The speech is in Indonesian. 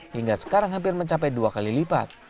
hingga sekarang hampir mencapai dua kali lipat